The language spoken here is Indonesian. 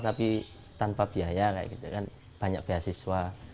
tapi tanpa biaya banyak beasiswa